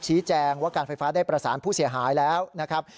ชี้แจงว่าการไฟฟ้าได้ประสานผู้เสียหายแล้วนะครับ